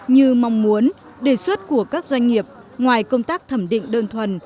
như mong muốn đề xuất của các doanh nghiệp ngoài công tác thẩm định đơn thuần